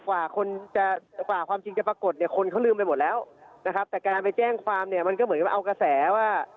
กว่าคนจะกว่าความจริงจะปรากฏเนี่ยคนเขาลืมไปหมดแล้วนะครับแต่การไปแจ้งความเนี่ยมันก็เหมือนกับเอากระแสว่า